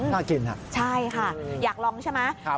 น่ากินใช่ค่ะอยากลองใช่ไหม